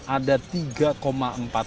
ada tiga empat ton beras yang dikubur